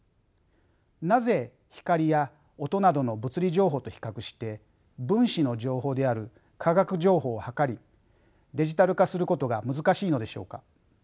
なぜ光や音などの物理情報と比較して分子の情報である化学情報を測りデジタル化することが難しいのでしょうか？